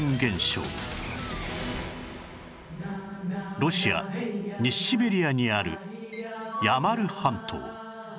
ロシア西シベリアにあるヤマル半島